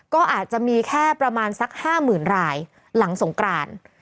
ก็อาจจะมีแค่ประมาณสัก๕๐๐๐รายหลังสงกราน